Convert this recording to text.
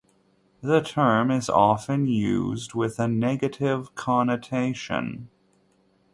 The term is often used with a negative connotation.